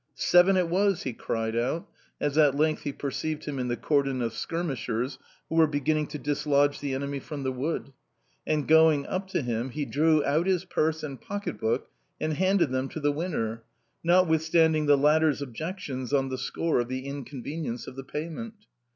"Seven it was!" he cried out, as at length he perceived him in the cordon of skirmishers who were beginning to dislodge the enemy from the wood; and going up to him, he drew out his purse and pocket book and handed them to the winner, notwithstanding the latter's objections on the score of the inconvenience of the payment.